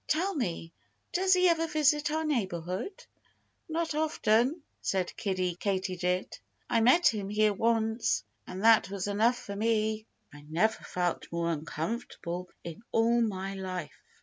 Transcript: Tell me! Does he ever visit our neighborhood?" "Not often!" said Kiddie Katydid. "I met him here once. And that was enough for me. I never felt more uncomfortable in all my life."